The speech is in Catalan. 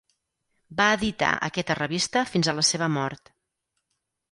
Va editar aquesta revista fins a la seva mort.